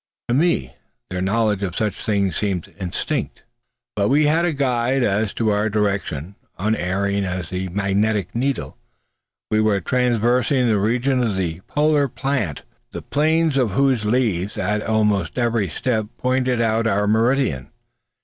To me their knowledge of such things seemed instinct. But we had a guide as to our direction, unerring as the magnetic needle: we were traversing the region of the "polar plant," the planes of whose leaves, at almost every step, pointed out our meridian.